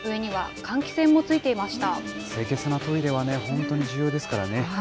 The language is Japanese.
清潔なトイレはね、本当に重要ですからね。